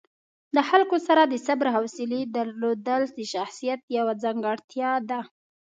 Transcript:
د خلکو سره د صبر او حوصلې درلودل د شخصیت یوه ځانګړتیا ده.